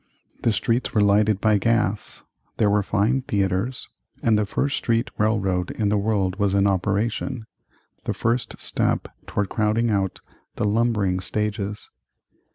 The streets were lighted by gas; there were fine theatres; and the first street railroad in the world was in operation the first step toward crowding out the lumbering stages.